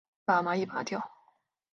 把蚂蚁拨掉